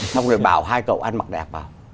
xong rồi bảo hai cậu ăn mặc đẹp vào